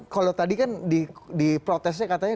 kalau tadi kan di protesnya katanya